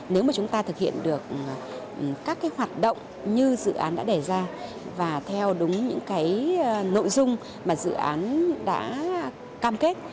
nếu mà chúng ta thực hiện được các cái hoạt động như dự án đã đề ra và theo đúng những cái nội dung mà dự án đã cam kết